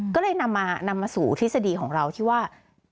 ก็เลยนำมาสู่ทฤษฎีของเราที่ว่า